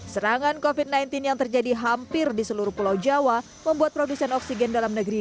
serangan covid sembilan belas yang terjadi hampir di seluruh pulau jawa membuat produsen oksigen dalam negeri